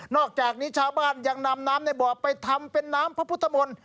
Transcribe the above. อกจากนี้ชาวบ้านยังนำน้ำในบ่อไปทำเป็นน้ำพระพุทธมนต์